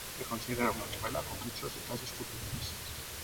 Se considera una novela con muchos detalles culturales.